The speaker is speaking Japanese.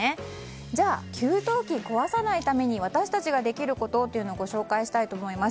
じゃあ、給湯器を壊さないために私たちができることをご紹介したいと思います。